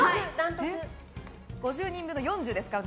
５０人分の４０ですから。